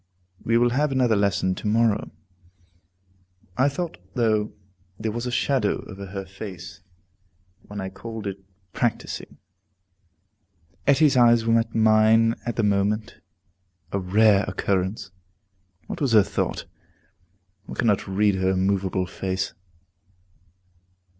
We will have another lesson to morrow. I thought, though, there was a shadow over her face when I called it practising. Etty's eyes met mine at the moment, a rare occurrence. What was her thought? One cannot read in her immovable face.